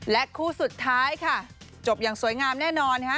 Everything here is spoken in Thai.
คู่สุดท้ายค่ะจบอย่างสวยงามแน่นอนนะคะ